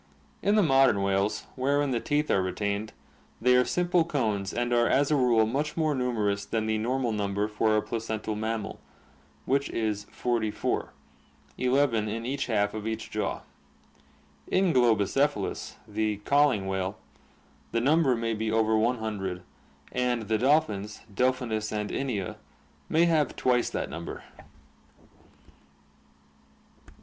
In the modern whales, wherein the teeth are retained, they are simple cones and are as a rule much more numerous than the normal number for a placental mammal, which is forty four, eleven in each half of each jaw. In Globicephalus, the ca'ing whale, the number may be over one hundred, and the dolphins, Delphinus and Inia, may have twice that number.